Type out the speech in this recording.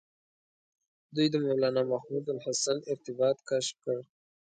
دوی د مولنا محمود الحسن ارتباط کشف کړ.